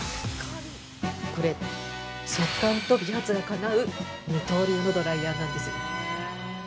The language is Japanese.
◆これ、速乾と美髪がかなう二刀流のドライヤーなんです。